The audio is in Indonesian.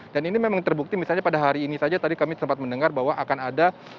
ini memang terbukti misalnya pada hari ini saja tadi kami sempat mendengar bahwa akan ada